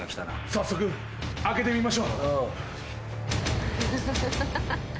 早速開けてみましょう。